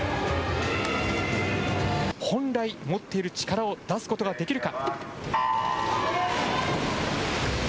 本来持っている力を出すことができるか。